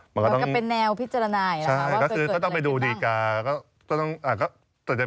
ไม่มีเป้าหมายนี้ครับรับประสานเลย